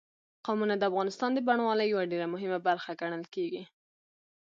قومونه د افغانستان د بڼوالۍ یوه ډېره مهمه برخه ګڼل کېږي.